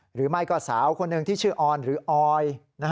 หรือไม่ก็สาวคนหนึ่งที่ชื่อออนหรือออย